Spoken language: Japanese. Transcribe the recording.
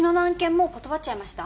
もう断っちゃいました？